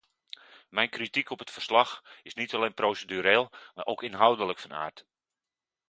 Mijn kritiek op het verslag is niet alleen procedureel, maar ook inhoudelijk van aard.